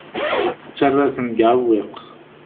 Tettarra-ten deg uɛewwiq.